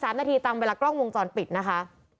๓นาทีตามเวลากล้องวงจรปิดนะคะ